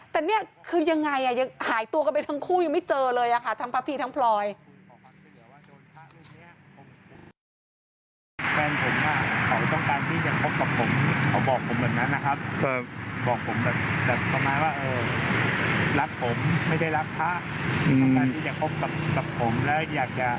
แต่นี่คือยังไงยังหายตัวกันไปทั้งคู่ยังไม่เจอเลยค่ะทั้งพระพี่ทั้งพลอย